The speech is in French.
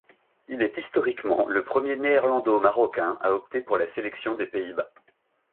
Il est historiquement le premier néerlando-marocain à opter pour la sélection des Pays-Bas.